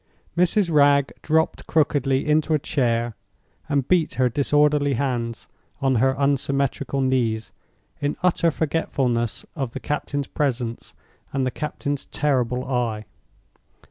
Mrs. Wragge dropped crookedly into a chair, and beat her disorderly hands on her unsymmetrical knees, in utter forgetfulness of the captain's presence and the captain's terrible eye.